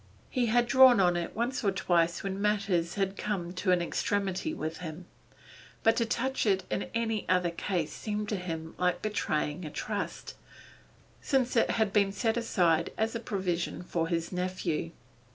He had drawn on it once or twice when matters had come to an extremity with him, but to touch it in any other case seemed to him like betraying a trust, since it had been set aside as a provision for his nephew.